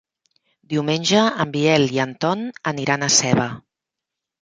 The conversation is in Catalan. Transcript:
Diumenge en Biel i en Ton aniran a Seva.